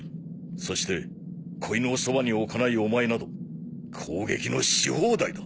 そして小犬をそばに置かないオマエなど攻撃のし放題だ。